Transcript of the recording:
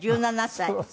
１７歳。